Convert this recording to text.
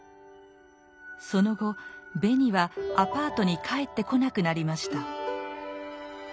その後ベニはアパートに帰ってこなくなりました。